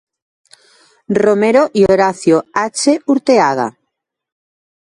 Romero y Horacio H. Urteaga.